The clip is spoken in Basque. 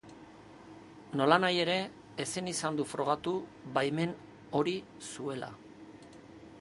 Nolanahi ere, ezin izan du frogatu baimen hori zuela.